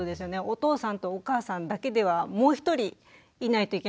お父さんとお母さんだけではもう一人いないといけませんよね。